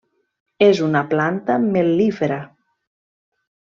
És una planta mel·lífera.